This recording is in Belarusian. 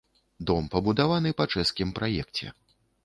Дом пабудаваны па чэшскім праекце.